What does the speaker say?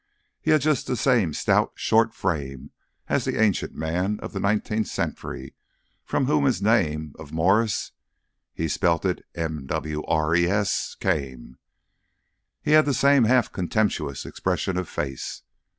He had just the same stout, short frame as that ancient man of the nineteenth century, from whom his name of Morris he spelt it Mwres came; he had the same half contemptuous expression of face.